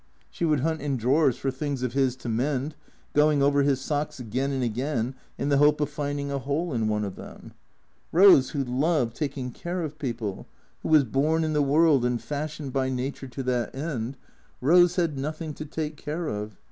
She would hunt in drawers for things of his to mend, going over his socks again and again in the hope of finding a hole in one of them. Eose, who loved taking care of people, who was born in the world and fashioned by Na ture to that end, Eose had nothing to take care of.